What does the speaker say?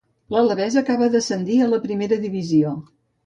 L'Alabès acabava d'ascendir a la Primera divisió.